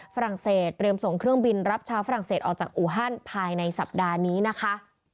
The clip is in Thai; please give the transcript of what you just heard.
ฝรั่งเศสเตรียมส่งเครื่องบินรับชาวฝรั่งเศสออกจากอูฮันภายในสัปดาห์นี้นะคะ